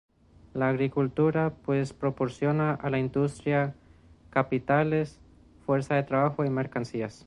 La agricultura, pues, proporciona a la industria capitales, fuerza de trabajo y mercancías.